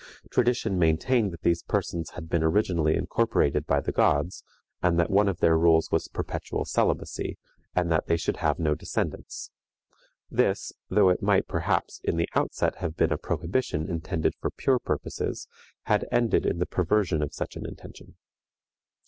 Tradition maintained that these persons had been originally incorporated by the gods, and that one of their rules was perpetual celibacy, and that they should have no descendants. This, though it might perhaps in the outset have been a prohibition intended for pure purposes, has ended in the perversion of such an intention.